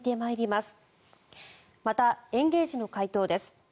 また、エンゲージの回答です。